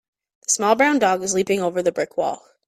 The small brown dog is leaping over the brick wall